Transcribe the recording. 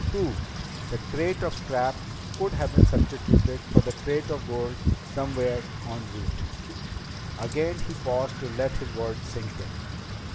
Two: the crate of scrap could have been substituted for the crate of gold somewhere en route." Again he paused to let his words sink in.